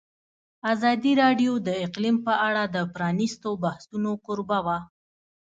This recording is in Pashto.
ازادي راډیو د اقلیم په اړه د پرانیستو بحثونو کوربه وه.